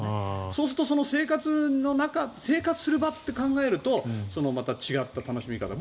そうすると生活する場って考えるとまた違った楽しみ方が。